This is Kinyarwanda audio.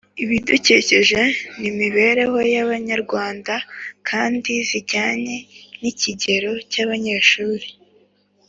ibidukikije n’imibereho y’Abanyarwanda kandi zijyanye n’ikigero cy’abanyeshuri.